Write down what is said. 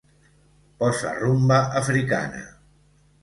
Posa rumba africana.